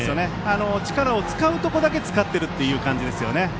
力を使うところだけ使っているという感じですね。